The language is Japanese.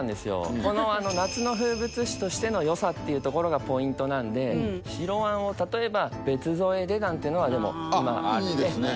この夏の風物詩としての良さっていうところがポイントなんで白あんを例えば別添えでなんてのはあっいいですね